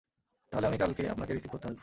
তাহলে আমি কালকে আপনাকে রিসিভ করতে আসবো।